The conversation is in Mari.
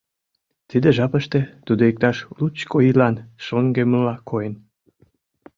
Тиде жапыште тудо иктаж лучко ийлан шоҥгеммыла койын.